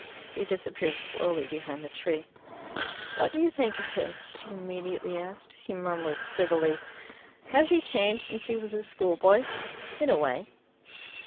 He disappeared slowly behind the tree. "What do you think of him?" she immediately asked. He murmured civilly. "Has he changed since he was a schoolboy?" "In a way."